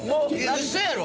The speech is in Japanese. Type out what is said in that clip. ウソやろ⁉